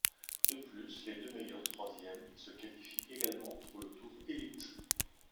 De plus, les deux meilleurs troisième se qualifie également pour le tour Élite.